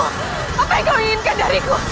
apa yang kau inginkan dariku